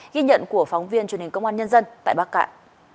ghi nhận của phóng viên truyền hình công an nhân dân tại bắc cạn